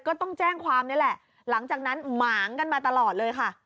ก็ต้องแจ้งความนี่แหละหลังจากนั้นหมางกันมาตลอดเลยค่ะ